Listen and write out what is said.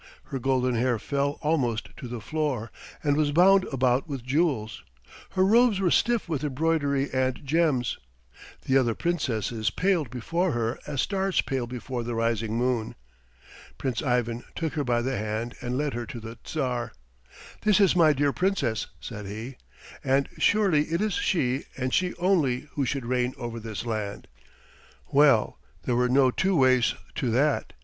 Her golden hair fell almost to the floor and was bound about with jewels. Her robes were stiff with embroidery and gems. The other Princesses paled before her as stars pale before the rising moon. Prince Ivan took her by the hand and led her to the Tsar. "This is my dear Princess," said he, "and surely it is she and she only who should reign over this land." Well, there were no two ways to that.